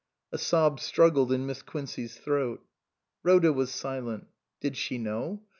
A sob struggled in Miss Quincey's throat. Rhoda was silent. Did she know?